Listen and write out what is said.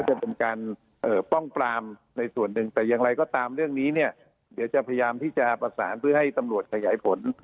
จะเป็นการป้องปรามในส่วนหนึ่งแต่อย่างไรก็ตามเรื่องนี้เนี่ยเดี๋ยวจะพยายามที่จะประสานเพื่อให้ตำรวจขยายผล